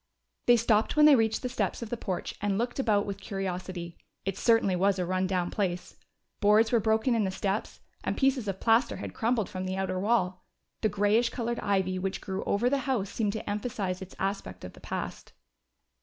They stopped when they reached the steps of the porch and looked about with curiosity. It certainly was a run down place. Boards were broken in the steps, and pieces of plaster had crumbled from the outer wall. The grayish colored ivy which grew over the house seemed to emphasize its aspect of the past.